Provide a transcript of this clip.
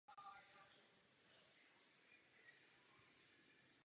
Pramení u vesnice Meddon.